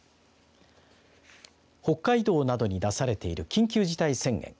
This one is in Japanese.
北海道などに出されている緊急事態宣言。